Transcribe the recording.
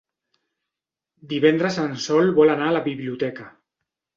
Divendres en Sol vol anar a la biblioteca.